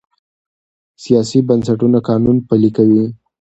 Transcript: سیاسي بنسټونه قانون پلي کوي